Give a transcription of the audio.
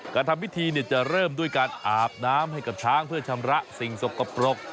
การทำพิธีจะเริ่มด้วยการอาบน้ำให้กับช้างเพื่อชำระสิ่งสกปรก